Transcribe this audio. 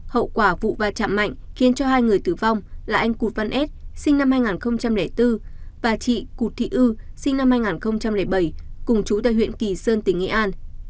hậu quả vụ va chạm mạnh khiến cho hai người tử vong là anh cụt văn ết sinh năm hai nghìn bốn và chị cụt thị ư sinh năm hai nghìn bảy cùng chú tại huyện kỳ sơn tỉnh nghệ an